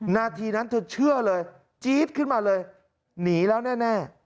นาทีนั้นเธอเชื่อเลยจี๊ดขึ้นมาเลยหนีแล้วแน่